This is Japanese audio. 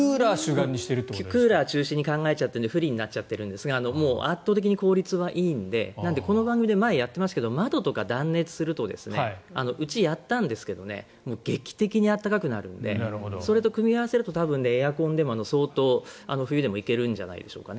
クーラー中心に考えてるので不利になっちゃっているんですが圧倒的に効率がいいのでこの番組で前にやっていましたけど窓とか断熱するとうち、やったんですけど劇的に暖かくなるのでそれと組み合わせるとエアコンでも相当、冬でもいけるんじゃないでしょうかね。